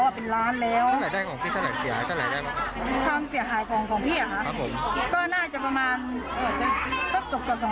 คือรู้แล้วว่าเราอ่ะจมในบ้านแชร์เขาอ่ะเป็นล้านแล้วความเสียหายของของ